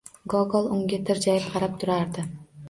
Gogol unga tirjayib qarab turardi.